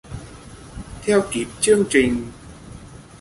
Theo kịp chương trình